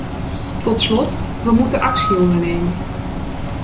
Tot slot: we moeten actie ondernemen.